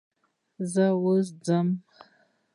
زه اوس ځم .